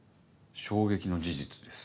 衝撃の事実です。